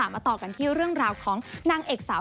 มาต่อกันที่เรื่องราวของนางเอกสาว